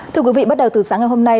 thưa quý vị bắt đầu từ sáng ngày hôm nay